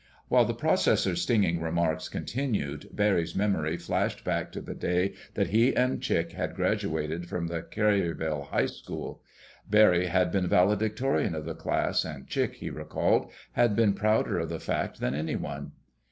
While the processor's stinging remarks continued, Barry's memory flashed back to the day that he and Chick had graduated from the Craryville High School. Barry had been valedictorian of the class, and Chick, he recalled, had been prouder of the fact than anyone.